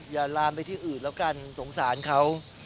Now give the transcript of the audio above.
อย่าลามไปที่อื่นแล้วกันสงสารเขา